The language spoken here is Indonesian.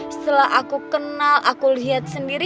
setelah aku kenal aku lihat sendiri